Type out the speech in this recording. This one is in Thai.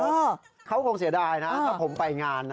ก็เขาคงเสียดายนะถ้าผมไปงานนะ